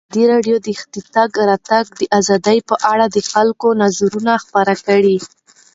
ازادي راډیو د د تګ راتګ ازادي په اړه د خلکو نظرونه خپاره کړي.